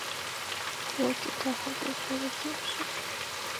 我觉得很不错的解释